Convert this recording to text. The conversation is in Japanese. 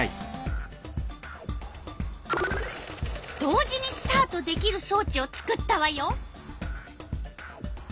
同時にスタートできるそうちを作ったわよ。